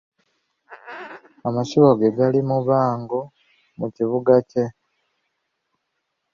Amasiro ge gali Mubango mu Kibuga kye.